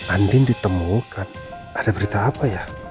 andin ditemukan ada berita apa ya